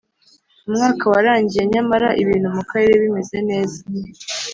Umwaka warangiye nyamara ibintu mu karere bimeze neza